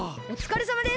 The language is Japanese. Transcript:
おつかれさまです！